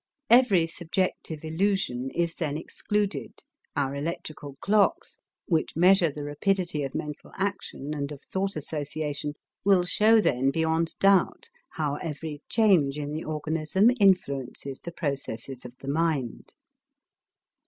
Every subjective illusion is then excluded, our electrical clocks, which measure the rapidity of mental action and of thought association, will show then beyond doubt how every change in the organism influences the processes of the mind.